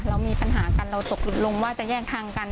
เรามีปัญหากันเราตกลงว่าจะแยกทางกัน